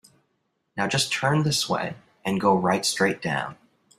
Now you just turn this way and go right straight down.